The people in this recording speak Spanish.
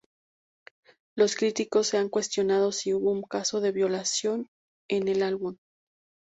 Los críticos se han cuestionado si hubo un caso de violación en el álbum.